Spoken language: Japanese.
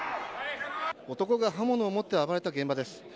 男が刃物を持って暴れた現場です。